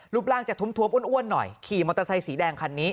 รูปร่างจะท้วมอ้วนหน่อยขี่มอเตอร์ไซค์สีแดงคันนี้